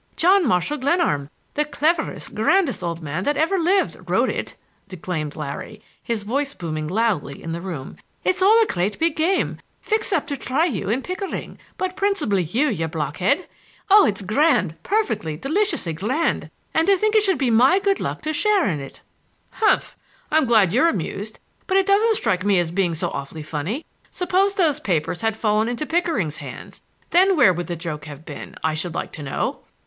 John Marshall Glenarm, the cleverest, grandest old man that ever lived, wrote it!" declaimed Larry, his voice booming loudly in the room. "It's all a great big game, fixed up to try you and Pickering,—but principally you, you blockhead! Oh, it's grand, perfectly, deliciously grand,—and to think it should be my good luck to share in it!" "Humph! I'm glad you're amused, but it doesn't strike me as being so awfully funny. Suppose those papers had fallen into Pickering's hands; then where would the joke have been, I should like to know!"